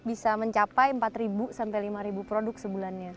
bisa mencapai empat sampai lima produk sebulannya